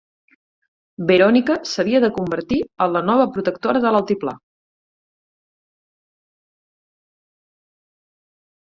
Verònica s'havia de convertir en la nova Protectora de l'Altiplà.